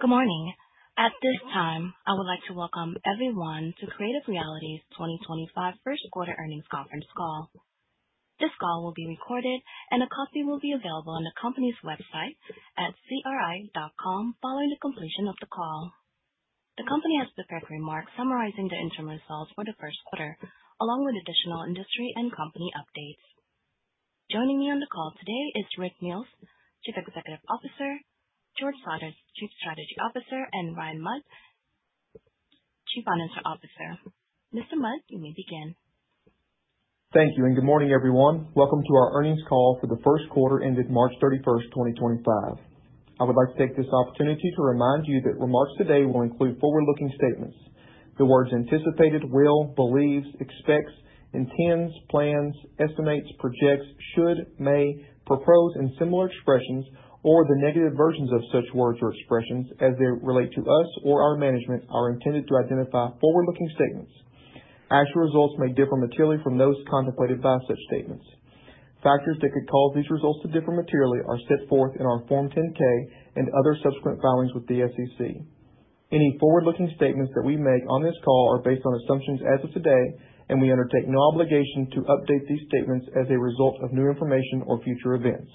Good morning. At this time, I would like to welcome everyone to Creative Realities 2025 First Quarter Earnings Conference Call. This call will be recorded, and a copy will be available on the company's website at cri.com following the completion of the call. The company has prepared a remark summarizing the interim results for the first quarter, along with additional industry and company updates. Joining me on the call today is Rick Mills, Chief Executive Officer, George Sautter, Chief Strategy Officer, and Ryan Mudd, Chief Financial Officer. Mr. Mudd, you may begin. Thank you, and good morning, everyone. Welcome to our earnings call for the first quarter ended March 31, 2025. I would like to take this opportunity to remind you that remarks today will include forward-looking statements. The words anticipated, will, believes, expects, intends, plans, estimates, projects, should, may, propose, and similar expressions, or the negative versions of such words or expressions as they relate to us or our management, are intended to identify forward-looking statements. Actual results may differ materially from those contemplated by such statements. Factors that could cause these results to differ materially are set forth in our Form 10-K and other subsequent filings with the SEC. Any forward-looking statements that we make on this call are based on assumptions as of today, and we undertake no obligation to update these statements as a result of new information or future events.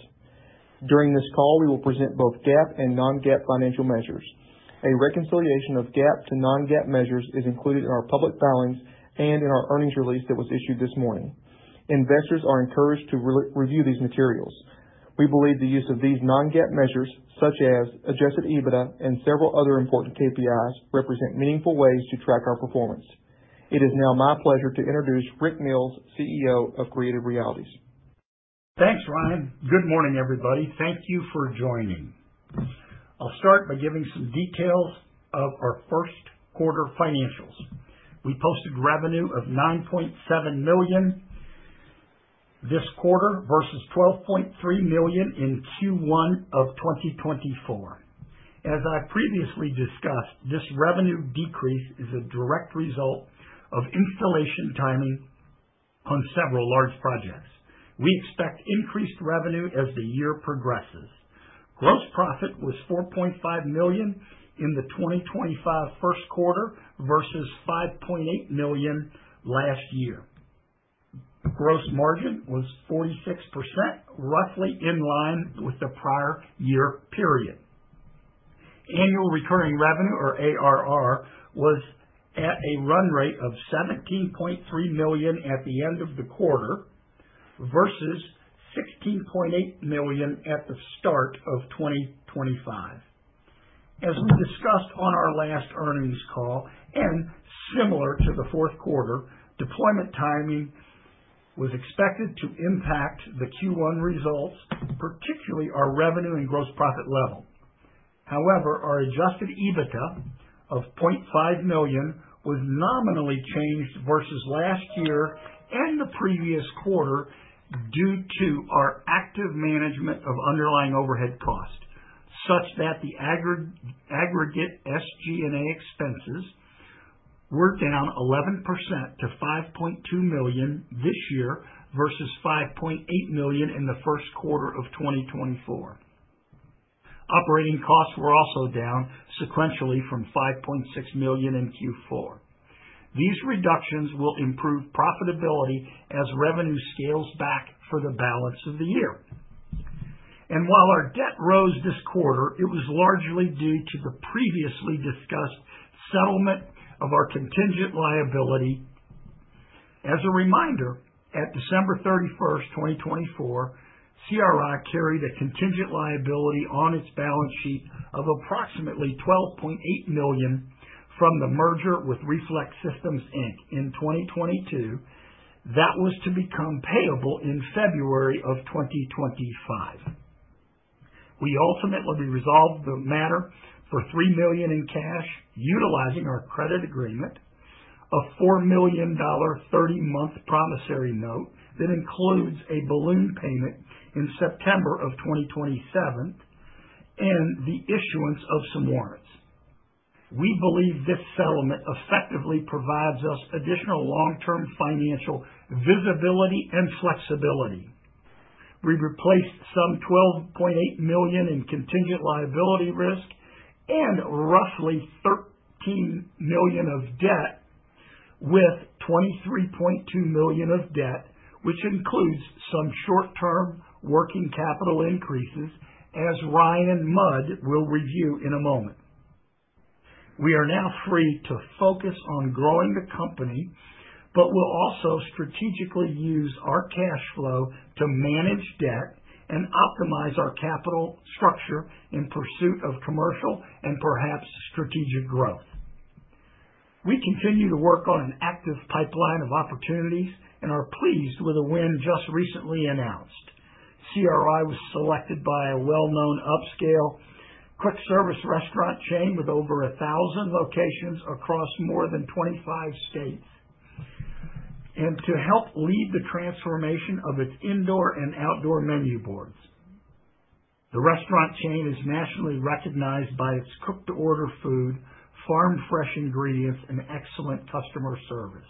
During this call, we will present both GAAP and non-GAAP financial measures. A reconciliation of GAAP to non-GAAP measures is included in our public filings and in our earnings release that was issued this morning. Investors are encouraged to review these materials. We believe the use of these non-GAAP measures, such as adjusted EBITDA and several other important KPIs, represent meaningful ways to track our performance. It is now my pleasure to introduce Rick Mills, CEO of Creative Realities. Thanks, Ryan. Good morning, everybody. Thank you for joining. I'll start by giving some details of our first quarter financials. We posted revenue of $9.7 million this quarter versus $12.3 million in Q1 of 2024. As I previously discussed, this revenue decrease is a direct result of installation timing on several large projects. We expect increased revenue as the year progresses. Gross profit was $4.5 million in the 2025 first quarter versus $5.8 million last year. Gross margin was 46%, roughly in line with the prior year period. Annual recurring revenue, or ARR, was at a run rate of $17.3 million at the end of the quarter versus $16.8 million at the start of 2025. As we discussed on our last earnings call, and similar to the fourth quarter, deployment timing was expected to impact the Q1 results, particularly our revenue and gross profit level. However, our adjusted EBITDA of $0.5 million was nominally changed versus last year and the previous quarter due to our active management of underlying overhead costs, such that the aggregate SG&A expenses were down 11% to $5.2 million this year versus $5.8 million in the first quarter of 2024. Operating costs were also down sequentially from $5.6 million in Q4. These reductions will improve profitability as revenue scales back for the balance of the year. While our debt rose this quarter, it was largely due to the previously discussed settlement of our contingent liability. As a reminder, at December 31, 2024, CRI carried a contingent liability on its balance sheet of approximately $12.8 million from the merger with Reflex Systems Inc. in 2022. That was to become payable in February of 2025. We ultimately resolved the matter for $3 million in cash, utilizing our credit agreement, a $4 million 30-month promissory note that includes a balloon payment in September of 2027, and the issuance of some warrants. We believe this settlement effectively provides us additional long-term financial visibility and flexibility. We replaced some $12.8 million in contingent liability risk and roughly $13 million of debt with $23.2 million of debt, which includes some short-term working capital increases, as Ryan Mudd will review in a moment. We are now free to focus on growing the company, but we'll also strategically use our cash flow to manage debt and optimize our capital structure in pursuit of commercial and perhaps strategic growth. We continue to work on an active pipeline of opportunities and are pleased with a win just recently announced. CRI was selected by a well-known upscale quick-service restaurant chain with over 1,000 locations across more than 25 states, and to help lead the transformation of its indoor and outdoor menu boards. The restaurant chain is nationally recognized by its cooked-to-order food, farm-fresh ingredients, and excellent customer service.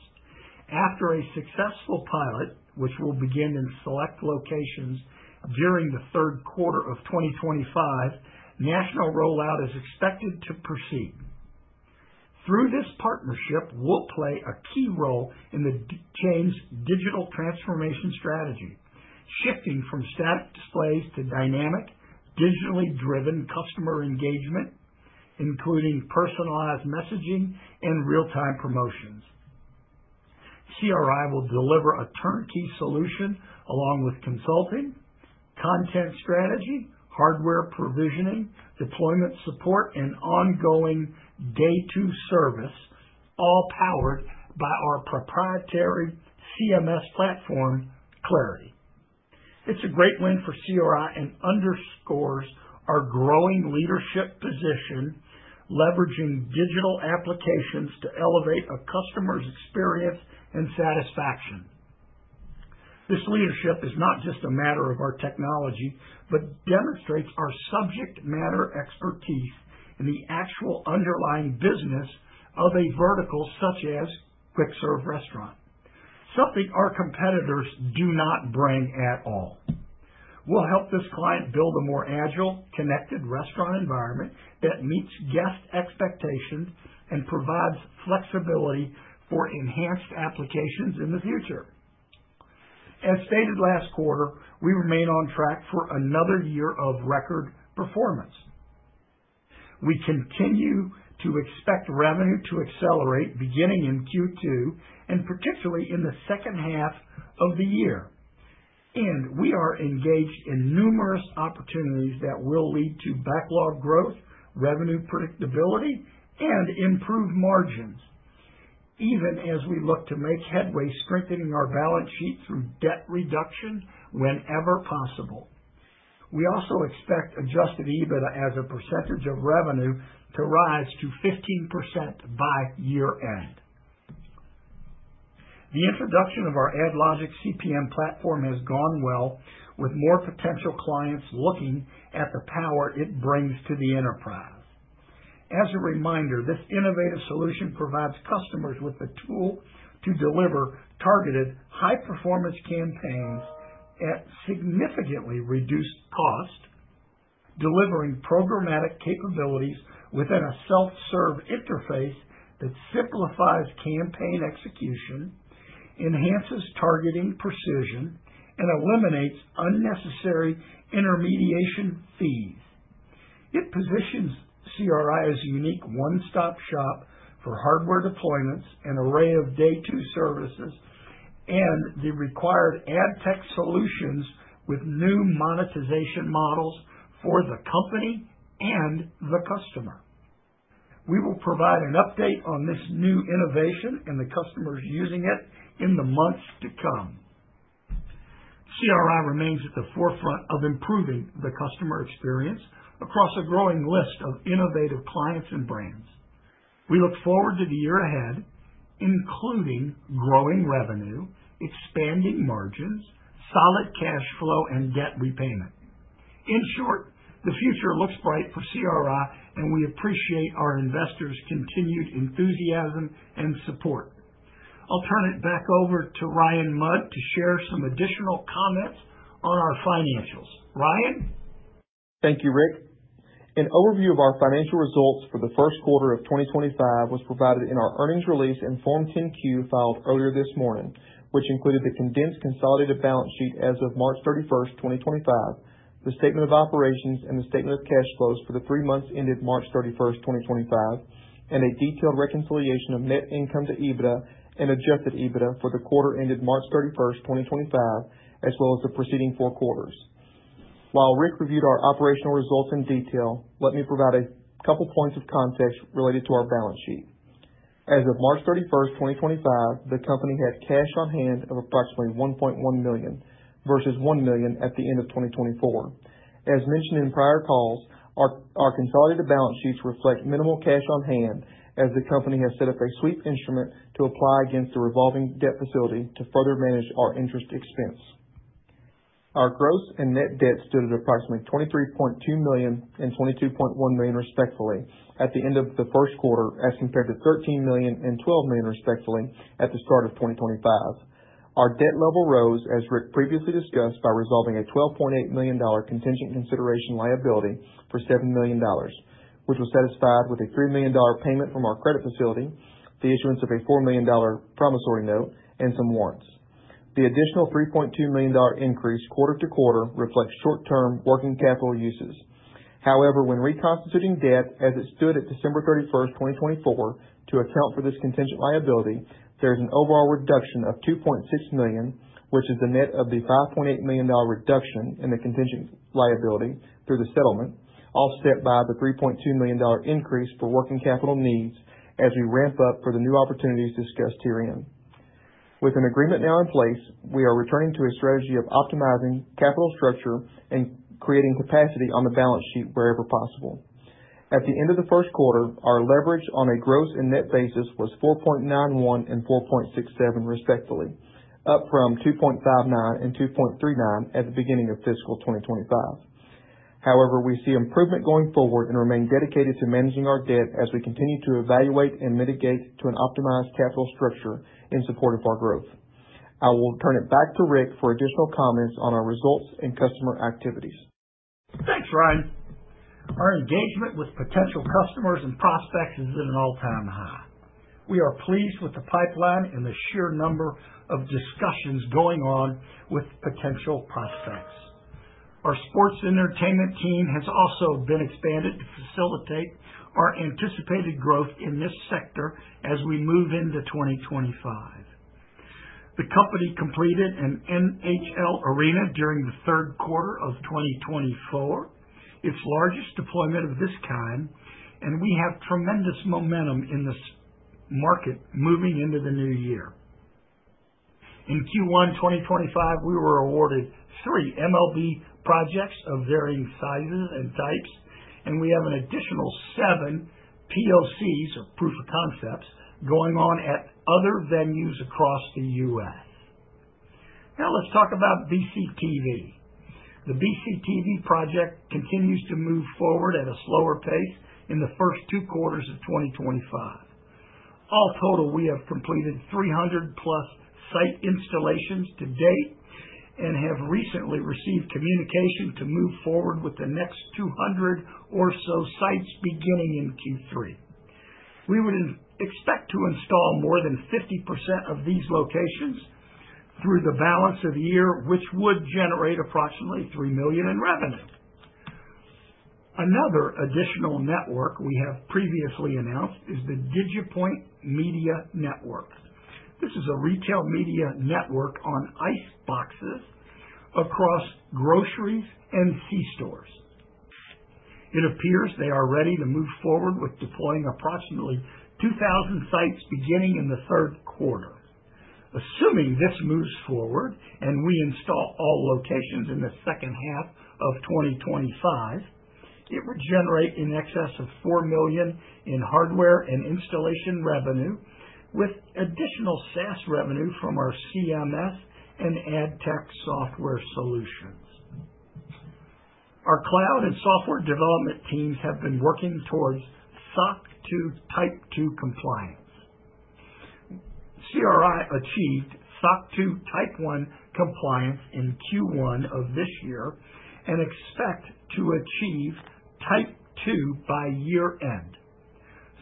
After a successful pilot, which will begin in select locations during the third quarter of 2025, national rollout is expected to proceed. Through this partnership, we'll play a key role in the chain's digital transformation strategy, shifting from static displays to dynamic, digitally driven customer engagement, including personalized messaging and real-time promotions. CRI will deliver a turnkey solution along with consulting, content strategy, hardware provisioning, deployment support, and ongoing day-to-day service, all powered by our proprietary CMS platform, Clarity. It's a great win for CRI and underscores our growing leadership position, leveraging digital applications to elevate a customer's experience and satisfaction. This leadership is not just a matter of our technology, but demonstrates our subject matter expertise in the actual underlying business of a vertical such as quick-serve restaurant, something our competitors do not bring at all. We'll help this client build a more agile, connected restaurant environment that meets guest expectations and provides flexibility for enhanced applications in the future. As stated last quarter, we remain on track for another year of record performance. We continue to expect revenue to accelerate beginning in Q2 and particularly in the second half of the year. We are engaged in numerous opportunities that will lead to backlog growth, revenue predictability, and improved margins, even as we look to make headway, strengthening our balance sheet through debt reduction whenever possible. We also expect adjusted EBITDA as a percentage of revenue to rise to 15% by year-end. The introduction of our AdLogic CPM platform has gone well, with more potential clients looking at the power it brings to the enterprise. As a reminder, this innovative solution provides customers with the tool to deliver targeted, high-performance campaigns at significantly reduced cost, delivering programmatic capabilities within a self-serve interface that simplifies campaign execution, enhances targeting precision, and eliminates unnecessary intermediation fees. It positions CRI as a unique one-stop shop for hardware deployments, an array of day-to-day services, and the required ad tech solutions with new monetization models for the company and the customer. We will provide an update on this new innovation and the customers using it in the months to come. CRI remains at the forefront of improving the customer experience across a growing list of innovative clients and brands. We look forward to the year ahead, including growing revenue, expanding margins, solid cash flow, and debt repayment. In short, the future looks bright for CRI, and we appreciate our investors' continued enthusiasm and support. I'll turn it back over to Ryan Mudd to share some additional comments on our financials. Ryan. Thank you, Rick. An overview of our financial results for the first quarter of 2025 was provided in our earnings release and Form 10-Q filed earlier this morning, which included the condensed consolidated balance sheet as of March 31, 2025, the statement of operations and the statement of cash flows for the three months ended March 31, 2025, and a detailed reconciliation of net income to EBITDA and adjusted EBITDA for the quarter ended March 31, 2025, as well as the preceding four quarters. While Rick reviewed our operational results in detail, let me provide a couple of points of context related to our balance sheet. As of March 31, 2025, the company had cash on hand of approximately $1.1 million versus $1 million at the end of 2024. As mentioned in prior calls, our consolidated balance sheets reflect minimal cash on hand, as the company has set up a sweep instrument to apply against the revolving debt facility to further manage our interest expense. Our gross and net debt stood at approximately $23.2 million and $22.1 million, respectively, at the end of the first quarter, as compared to $13 million and $12 million, respectively, at the start of 2023. Our debt level rose, as Rick previously discussed, by resolving a $12.8 million contingent consideration liability for $7 million, which was satisfied with a $3 million payment from our credit facility, the issuance of a $4 million promissory note, and some warrants. The additional $3.2 million increase quarter to quarter reflects short-term working capital uses. However, when reconstituting debt as it stood at December 31, 2024, to account for this contingent liability, there is an overall reduction of $2.6 million, which is the net of the $5.8 million reduction in the contingent liability through the settlement, offset by the $3.2 million increase for working capital needs as we ramp up for the new opportunities discussed herein. With an agreement now in place, we are returning to a strategy of optimizing capital structure and creating capacity on the balance sheet wherever possible. At the end of the first quarter, our leverage on a gross and net basis was 4.91 and 4.67, respectively, up from 2.59 and 2.39 at the beginning of fiscal 2025. However, we see improvement going forward and remain dedicated to managing our debt as we continue to evaluate and mitigate to an optimized capital structure in support of our growth. I will turn it back to Rick for additional comments on our results and customer activities. Thanks, Ryan. Our engagement with potential customers and prospects is at an all-time high. We are pleased with the pipeline and the sheer number of discussions going on with potential prospects. Our sports entertainment team has also been expanded to facilitate our anticipated growth in this sector as we move into 2025. The company completed an NHL arena during the third quarter of 2024, its largest deployment of this kind, and we have tremendous momentum in this market moving into the new year. In Q1 2025, we were awarded three MLB projects of varying sizes and types, and we have an additional seven POCs, or proof of concepts, going on at other venues across the U.S. Now, let's talk about BCTV. The BCTV project continues to move forward at a slower pace in the first two quarters of 2025. All total, we have completed 300-plus site installations to date and have recently received communication to move forward with the next 200 or so sites beginning in Q3. We would expect to install more than 50% of these locations through the balance of the year, which would generate approximately $3 million in revenue. Another additional network we have previously announced is the Digipoint Media Network. This is a retail media network on ice boxes across groceries and c-stores. It appears they are ready to move forward with deploying approximately 2,000 sites beginning in the third quarter. Assuming this moves forward and we install all locations in the second half of 2025, it would generate in excess of $4 million in hardware and installation revenue, with additional SaaS revenue from our CMS and ad tech software solutions. Our cloud and software development teams have been working towards SOC 2 Type 2 compliance. CRI achieved SOC 2 Type 1 compliance in Q1 of this year and expect to achieve Type 2 by year-end.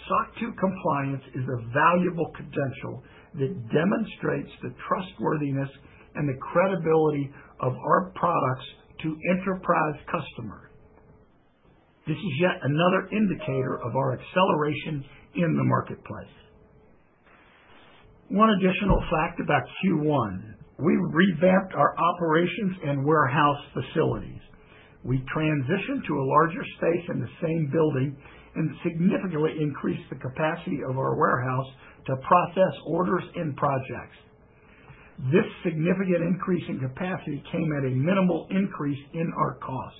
SOC 2 compliance is a valuable credential that demonstrates the trustworthiness and the credibility of our products to enterprise customers. This is yet another indicator of our acceleration in the marketplace. One additional fact about Q1: we revamped our operations and warehouse facilities. We transitioned to a larger space in the same building and significantly increased the capacity of our warehouse to process orders and projects. This significant increase in capacity came at a minimal increase in our cost.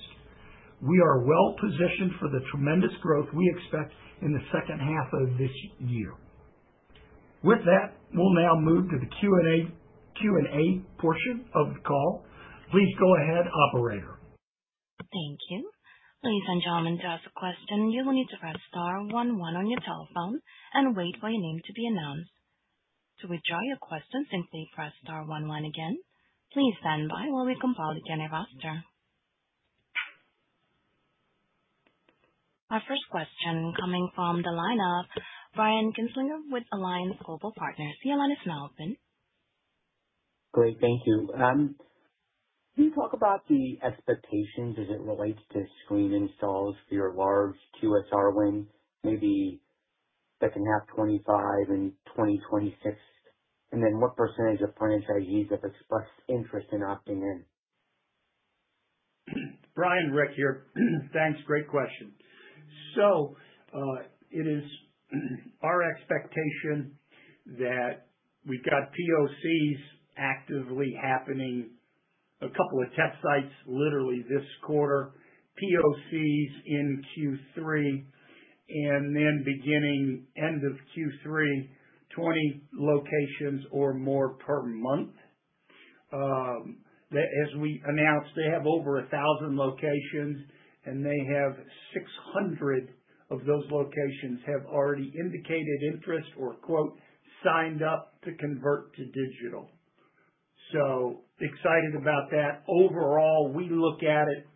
We are well-positioned for the tremendous growth we expect in the second half of this year. With that, we'll now move to the Q&A portion of the call. Please go ahead, Operator. Thank you. Ladies and gentlemen, to ask a question, you will need to press star 11 on your telephone and wait for your name to be announced. To withdraw your question, simply press star 11 again. Please stand by while we compile the queue. Our first question coming from the line of Brian Kinstlinger with Alliance Global Partners. Yes, you're on, Ms. Melvin. Great. Thank you. Can you talk about the expectations as it relates to screen installs for your large QSR win, maybe second half 2025 and 2026? And then what % of franchisees have expressed interest in opting in? Ryan, Rick here. Thanks. Great question. It is our expectation that we've got POCs actively happening, a couple of test sites literally this quarter, POCs in Q3, and then beginning end of Q3, 20 locations or more per month. As we announced, they have over 1,000 locations, and 600 of those locations have already indicated interest or "signed up" to convert to digital. Excited about that. Overall, we look at it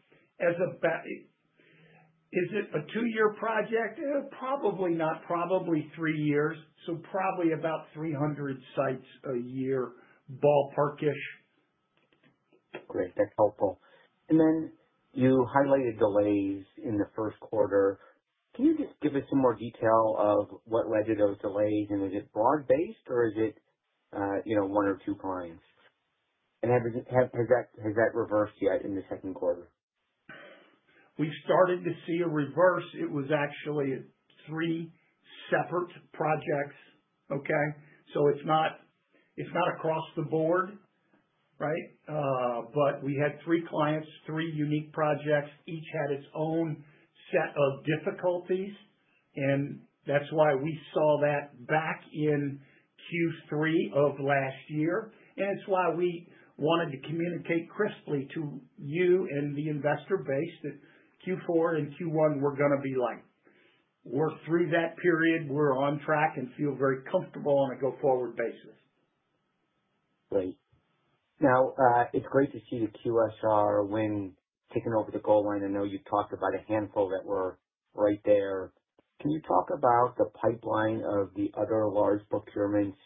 as a—is it a two-year project? Probably not. Probably three years. Probably about 300 sites a year, ballpark-ish. Great. That's helpful. You highlighted delays in the first quarter. Can you just give us some more detail of what led to those delays? Is it broad-based, or is it one or two clients? Has that reversed yet in the second quarter? We've started to see a reverse. It was actually three separate projects, okay? It is not across the board, right? We had three clients, three unique projects. Each had its own set of difficulties, and that is why we saw that back in Q3 of last year. It is why we wanted to communicate crisply to you and the investor base that Q4 and Q1 were going to be light. We are through that period. We are on track and feel very comfortable on a go-forward basis. Great. Now, it's great to see the QSR win taking over the goal line. I know you've talked about a handful that were right there. Can you talk about the pipeline of the other large procurements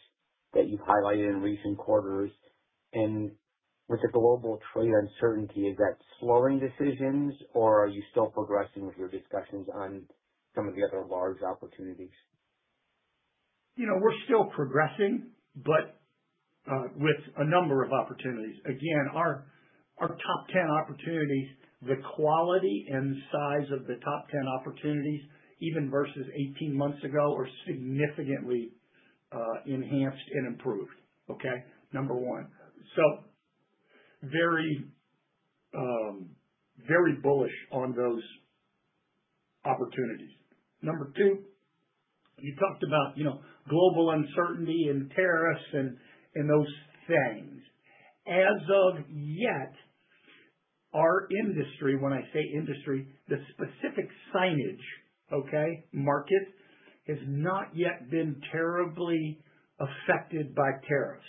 that you've highlighted in recent quarters? With the global trade uncertainty, is that slowing decisions, or are you still progressing with your discussions on some of the other large opportunities? We're still progressing, but with a number of opportunities. Again, our top 10 opportunities, the quality and size of the top 10 opportunities, even versus 18 months ago, are significantly enhanced and improved, okay? Number one. Very bullish on those opportunities. Number two, you talked about global uncertainty and tariffs and those things. As of yet, our industry—when I say industry, the specific signage, okay, market—has not yet been terribly affected by tariffs.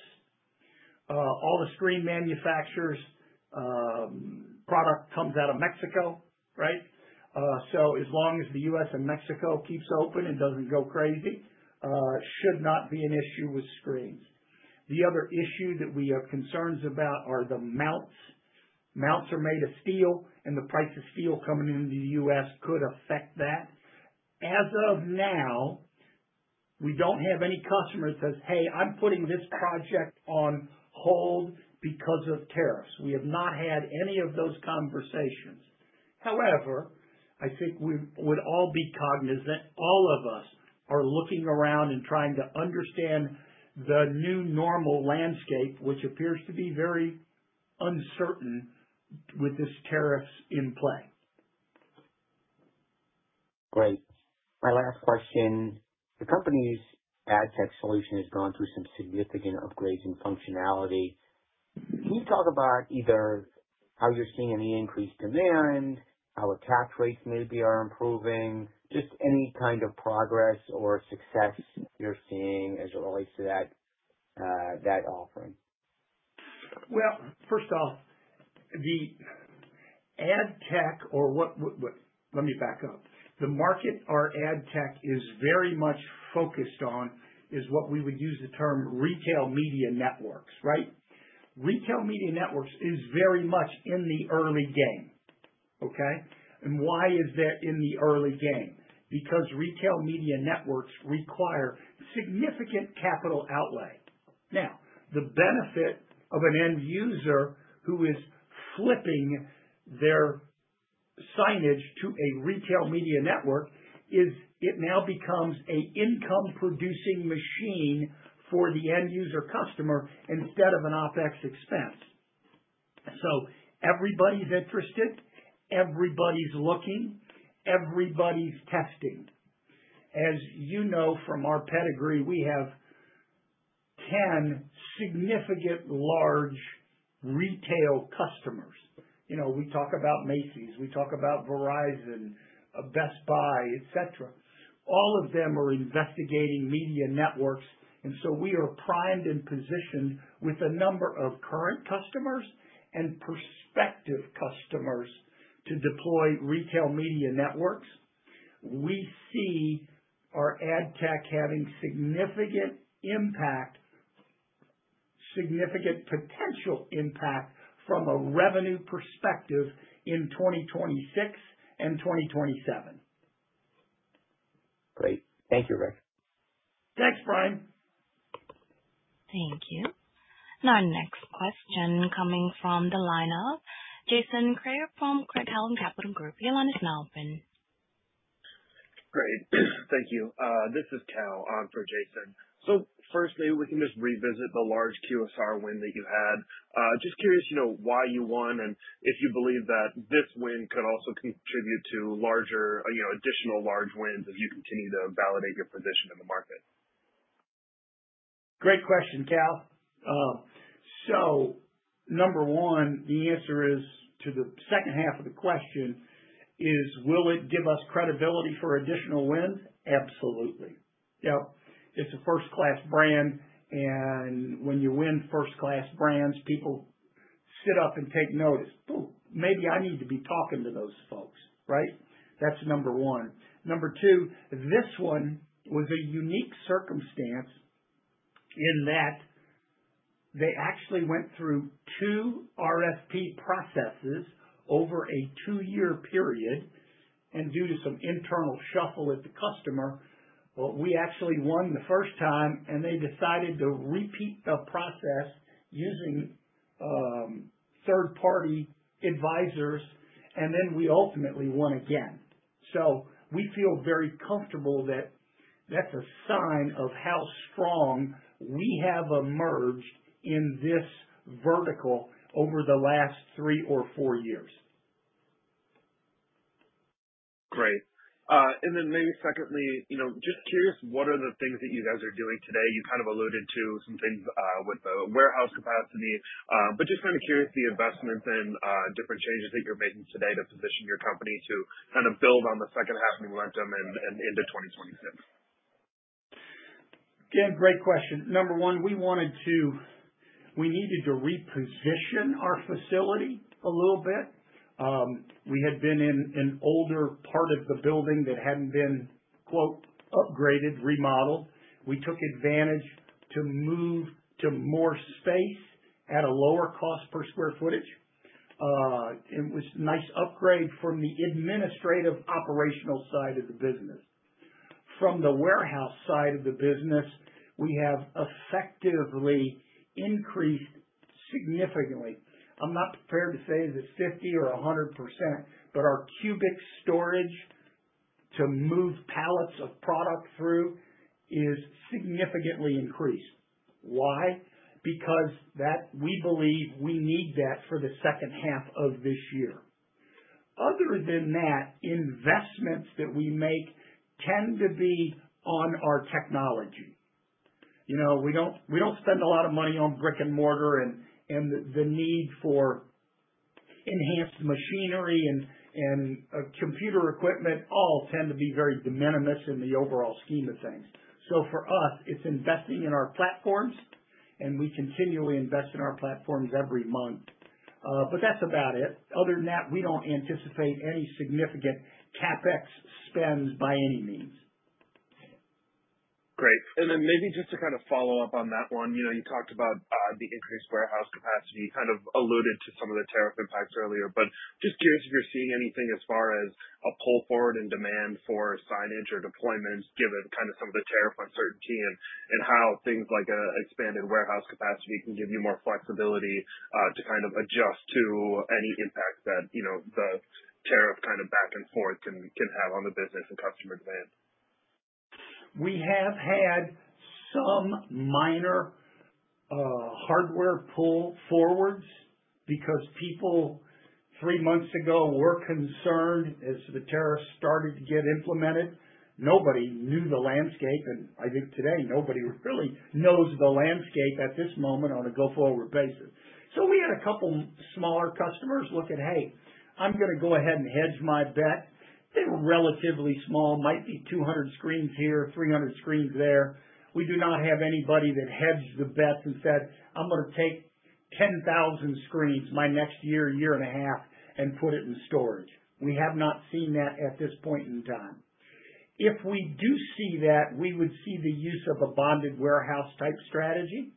All the screen manufacturers' product comes out of Mexico, right? As long as the U.S. and Mexico keep open and do not go crazy, it should not be an issue with screens. The other issue that we have concerns about are the mounts. Mounts are made of steel, and the price of steel coming into the U.S. could affect that. As of now, we don't have any customer that says, "Hey, I'm putting this project on hold because of tariffs." We have not had any of those conversations. However, I think we would all be cognizant—all of us are looking around and trying to understand the new normal landscape, which appears to be very uncertain with these tariffs in play. Great. My last question. The company's ad tech solution has gone through some significant upgrades in functionality. Can you talk about either how you're seeing any increased demand, how attach rates maybe are improving, just any kind of progress or success you're seeing as it relates to that offering? First off, the ad tech, or let me back up. The market our ad tech is very much focused on is what we would use the term retail media networks, right? Retail media networks is very much in the early game, okay? And why is that in the early game? Because retail media networks require significant capital outlay. Now, the benefit of an end user who is flipping their signage to a retail media network is it now becomes an income-producing machine for the end user customer instead of an OpEx expense. Everybody's interested. Everybody's looking. Everybody's testing. As you know from our pedigree, we have 10 significant large retail customers. We talk about Macy's. We talk about Verizon, Best Buy, etc. All of them are investigating media networks. We are primed and positioned with a number of current customers and prospective customers to deploy retail media networks. We see our ad tech having significant impact, significant potential impact from a revenue perspective in 2026 and 2027. Great. Thank you, Rick. Thanks, Brian. Thank you. Now, our next question coming from the line of Jason Kramer from Craig-Hallum Capital Group. You're on, Ms. Melvin. Great. Thank you. This is Cal on for Jason. Firstly, we can just revisit the large QSR win that you had. Just curious why you won and if you believe that this win could also contribute to additional large wins as you continue to validate your position in the market. Great question, Cal. Number one, the answer to the second half of the question is, will it give us credibility for additional wins? Absolutely. Yeah. It's a first-class brand. When you win first-class brands, people sit up and take notice. Maybe I need to be talking to those folks, right? That's number one. Number two, this one was a unique circumstance in that they actually went through two RFP processes over a two-year period. Due to some internal shuffle at the customer, we actually won the first time, and they decided to repeat the process using third-party advisors, and then we ultimately won again. We feel very comfortable that that's a sign of how strong we have emerged in this vertical over the last three or four years. Great. Maybe secondly, just curious, what are the things that you guys are doing today? You kind of alluded to some things with the warehouse capacity, but just kind of curious the investments and different changes that you're making today to position your company to kind of build on the second half and momentum and into 2026. Again, great question. Number one, we needed to reposition our facility a little bit. We had been in an older part of the building that had not been "upgraded," remodeled. We took advantage to move to more space at a lower cost per square foot. It was a nice upgrade from the administrative operational side of the business. From the warehouse side of the business, we have effectively increased significantly. I am not prepared to say is it 50% or 100%, but our cubic storage to move pallets of product through is significantly increased. Why? Because we believe we need that for the second half of this year. Other than that, investments that we make tend to be on our technology. We don't spend a lot of money on brick and mortar, and the need for enhanced machinery and computer equipment all tend to be very de minimis in the overall scheme of things. For us, it's investing in our platforms, and we continually invest in our platforms every month. That's about it. Other than that, we don't anticipate any significant CapEx spends by any means. Great. Maybe just to kind of follow up on that one, you talked about the increased warehouse capacity. You kind of alluded to some of the tariff impacts earlier, but just curious if you're seeing anything as far as a pull forward in demand for signage or deployments, given kind of some of the tariff uncertainty and how things like an expanded warehouse capacity can give you more flexibility to kind of adjust to any impact that the tariff kind of back and forth can have on the business and customer demand. We have had some minor hardware pull forwards because people three months ago were concerned as the tariffs started to get implemented. Nobody knew the landscape, and I think today nobody really knows the landscape at this moment on a go-forward basis. We had a couple of smaller customers look at, "Hey, I'm going to go ahead and hedge my bet." They were relatively small, might be 200 screens here, 300 screens there. We do not have anybody that hedged the bets and said, "I'm going to take 10,000 screens my next year, year and a half, and put it in storage." We have not seen that at this point in time. If we do see that, we would see the use of a bonded warehouse type strategy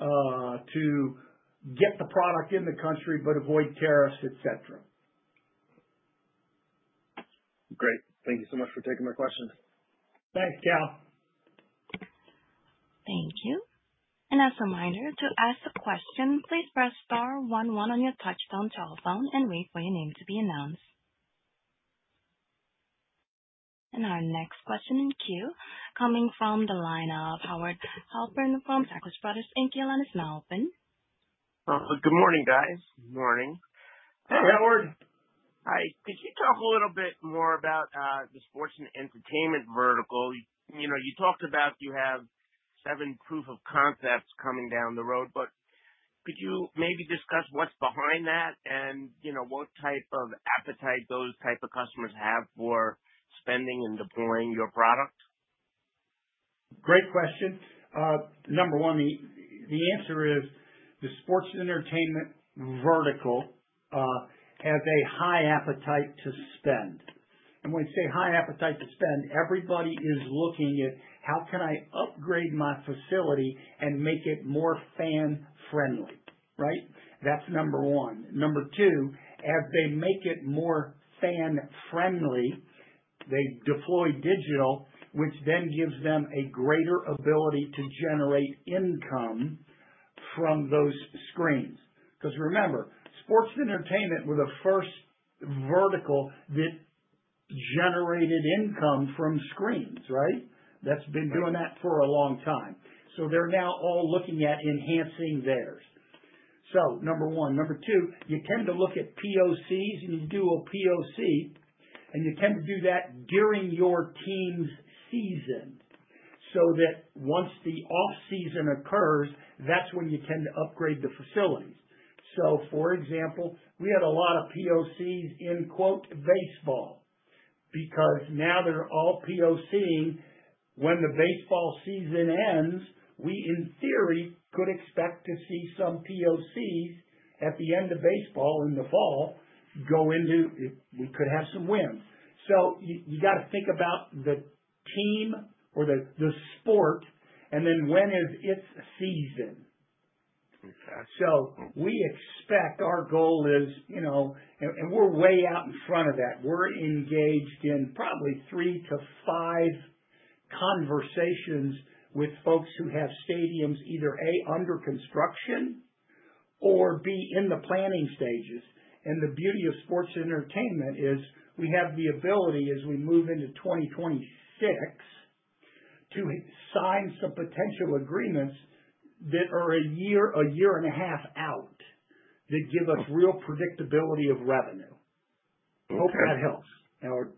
to get the product in the country but avoid tariffs, etc. Great. Thank you so much for taking my questions. Thanks, Cal. Thank you. As a reminder, to ask a question, please press star 11 on your touch-tone telephone and wait for your name to be announced. Our next question in queue coming from the line of Howard Halpern from Taglich Brothers. You're on, Ms. Melvin. Good morning, guys. Morning. Hey, Howard. Hi. Could you talk a little bit more about the sports and entertainment vertical? You talked about you have seven proof of concepts coming down the road, but could you maybe discuss what's behind that and what type of appetite those types of customers have for spending and deploying your product? Great question. Number one, the answer is the sports entertainment vertical has a high appetite to spend. When I say high appetite to spend, everybody is looking at, "How can I upgrade my facility and make it more fan-friendly?" Right? That's number one. Number two, as they make it more fan-friendly, they deploy digital, which then gives them a greater ability to generate income from those screens. Because remember, sports entertainment were the first vertical that generated income from screens, right? That's been doing that for a long time. They are now all looking at enhancing theirs. Number one. Number two, you tend to look at POCs and you do a POC, and you tend to do that during your team's season so that once the off-season occurs, that's when you tend to upgrade the facilities. For example, we had a lot of POCs in baseball because now they're all POCing. When the baseball season ends, we in theory could expect to see some POCs at the end of baseball in the fall go into we could have some wins. You got to think about the team or the sport and then when is its season. We expect our goal is and we're way out in front of that. We're engaged in probably three to five conversations with folks who have stadiums either A, under construction, or B, in the planning stages. The beauty of sports entertainment is we have the ability as we move into 2026 to sign some potential agreements that are a year, a year and a half out that give us real predictability of revenue. Hope that helps, Howard.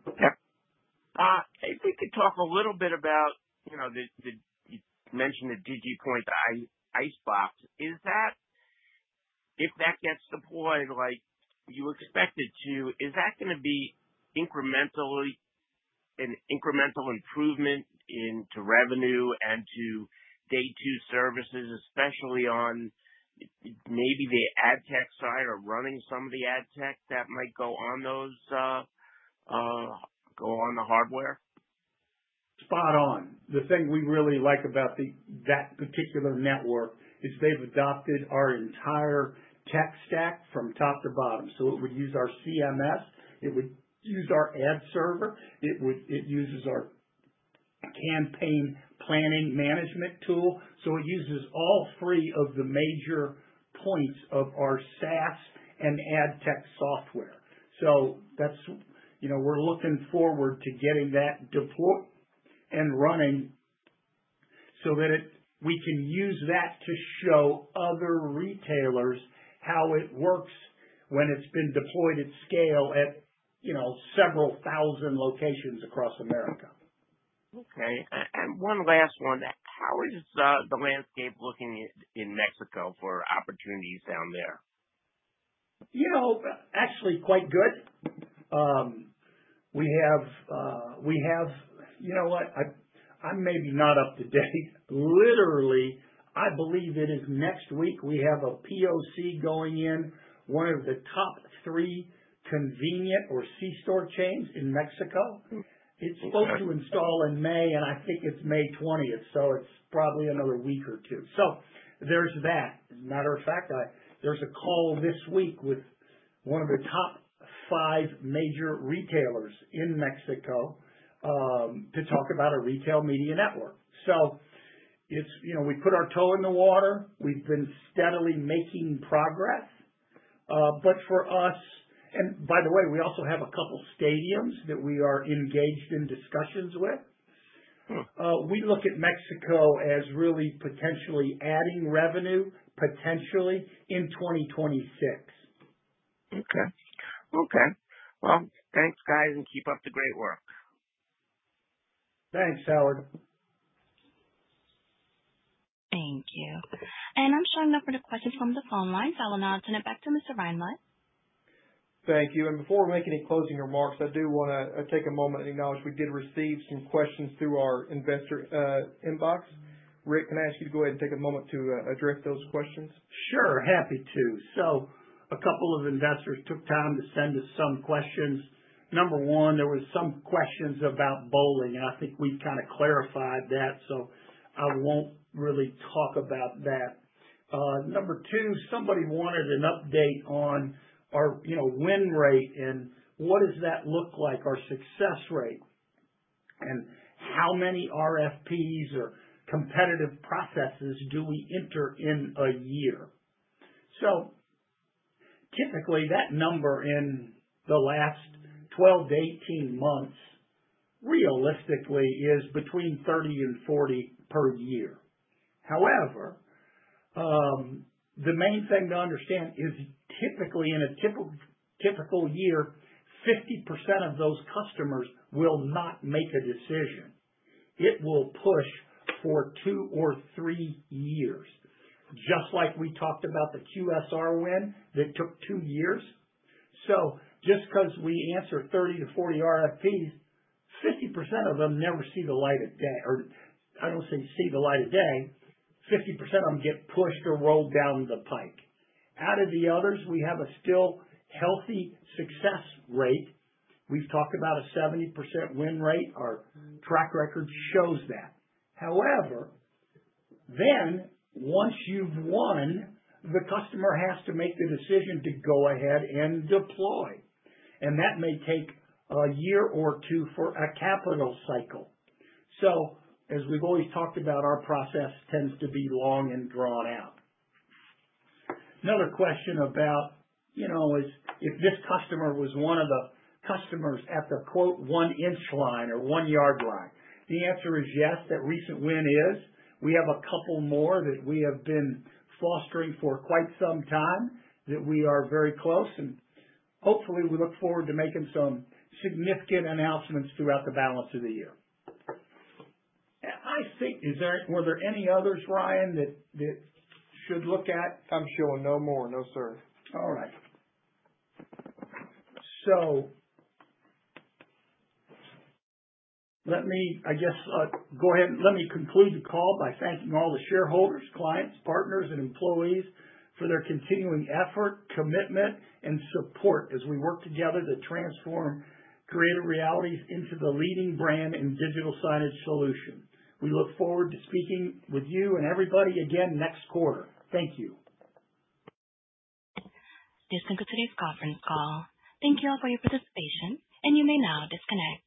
If we could talk a little bit about the, you mentioned the DigiPoint Icebox. If that gets deployed like you expect it to, is that going to be an incremental improvement into revenue and to day two services, especially on maybe the ad tech side or running some of the ad tech that might go on the hardware? Spot on. The thing we really like about that particular network is they've adopted our entire tech stack from top to bottom. It would use our CMS. It would use our ad server. It uses our campaign planning management tool. It uses all three of the major points of our SaaS and ad tech software. We're looking forward to getting that deployed and running so that we can use that to show other retailers how it works when it's been deployed at scale at several thousand locations across America. Okay. And one last one. How is the landscape looking in Mexico for opportunities down there? Actually, quite good. We have, you know what? I'm maybe not up to date. Literally, I believe it is next week we have a POC going in one of the top three convenience or C-store chains in Mexico. It's supposed to install in May, and I think it's May 20th. It's probably another week or two. There's that. As a matter of fact, there's a call this week with one of the top five major retailers in Mexico to talk about a retail media network. We put our toe in the water. We've been steadily making progress. For us, and by the way, we also have a couple of stadiums that we are engaged in discussions with. We look at Mexico as really potentially adding revenue potentially in 2026. Okay. Okay. Thanks, guys, and keep up the great work. Thanks, Howard. Thank you. I'm showing no further questions from the phone line. I'll now turn it back to Mr. Reinbud. Thank you. Before we make any closing remarks, I do want to take a moment and acknowledge we did receive some questions through our investor inbox. Rick, can I ask you to go ahead and take a moment to address those questions? Sure. Happy to. So a couple of investors took time to send us some questions. Number one, there were some questions about bowling, and I think we've kind of clarified that, so I won't really talk about that. Number two, somebody wanted an update on our win rate and what does that look like, our success rate, and how many RFPs or competitive processes do we enter in a year? So typically, that number in the last 12 to 18 months realistically is between 30 and 40 per year. However, the main thing to understand is typically in a typical year, 50% of those customers will not make a decision. It will push for two or three years, just like we talked about the QSR win that took two years. So just because we answer 30-40 RFPs, 50% of them never see the light of day. I don't say see the light of day. 50% of them get pushed or rolled down the pike. Out of the others, we have a still healthy success rate. We've talked about a 70% win rate. Our track record shows that. However, once you've won, the customer has to make the decision to go ahead and deploy. That may take a year or two for a capital cycle. As we've always talked about, our process tends to be long and drawn out. Another question about if this customer was one of the customers at the "one inch line" or "one yard line." The answer is yes, that recent win is. We have a couple more that we have been fostering for quite some time that we are very close. Hopefully, we look forward to making some significant announcements throughout the balance of the year. I think, were there any others, Ryan, that should look at? I'm showing no more. No, sir. All right. So let me, I guess, go ahead and let me conclude the call by thanking all the shareholders, clients, partners, and employees for their continuing effort, commitment, and support as we work together to transform Creative Realities into the leading brand in digital signage solutions. We look forward to speaking with you and everybody again next quarter. Thank you. This concludes today's conference call. Thank you all for your participation, and you may now disconnect.